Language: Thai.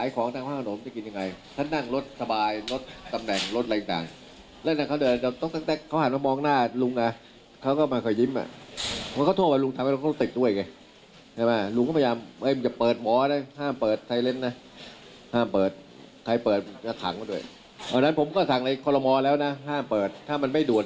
ก็ขอโทษชั้นลุงทำให้เราตกตกด้วย